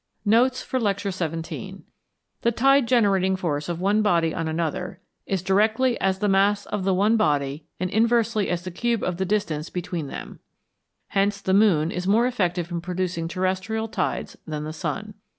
NOTES FOR LECTURE XVII The tide generating force of one body on another is directly as the mass of the one body and inversely as the cube of the distance between them. Hence the moon is more effective in producing terrestrial tides than the sun.